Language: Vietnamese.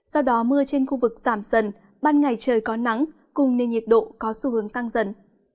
sau đó mưa trên khu vực giảm dần ban ngày trời có nắng cùng nền nhiệt độ có xu hướng tăng dần